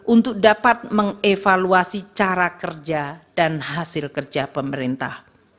untuk dapat mengevaluasi cara kerja dan hasil kerja pemerintah